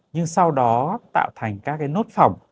nhưng sau đó tạo thành các nốt phỏng